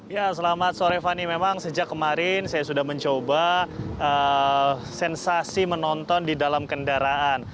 ya selamat sore fani memang sejak kemarin saya sudah mencoba sensasi menonton di dalam kendaraan